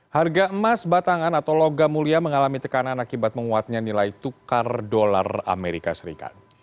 harga emas batangan atau logam mulia mengalami tekanan akibat menguatnya nilai tukar dolar amerika serikat